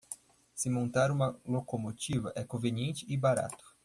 Se montar uma locomotiva é conveniente e barato